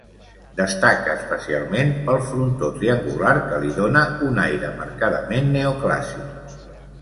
Destaca especialment pel frontó triangular que li dóna un aire marcadament neoclàssic.